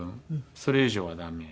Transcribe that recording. それ以上はダメ。